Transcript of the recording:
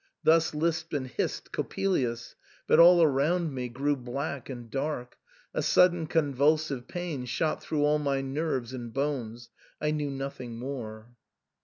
Thus lisped and hissed Coppelius ; but all around me grew black and dark ; a sudden convulsive pain shot through all my nerves and bones ; I knew nothing more.